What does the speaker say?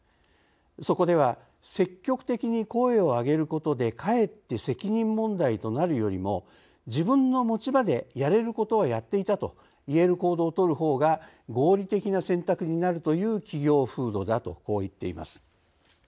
そこでは「積極的に声を上げることでかえって責任問題となるよりも自分の持ち場でやれることはやっていたと言える行動をとるほうが合理的な選択になるという企業風土」だと言っています。